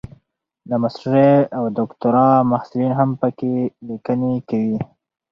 د ماسټرۍ او دوکتورا محصلین هم پکې لیکني کوي.